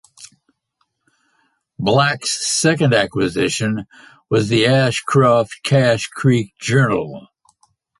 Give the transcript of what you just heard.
Black's second acquisition was the "Ashcroft-Cache Creek Journal".